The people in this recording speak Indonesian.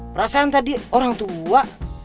perasaan tadi orang tua